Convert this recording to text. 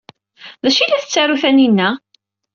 D acu ay la tettaru Taninna?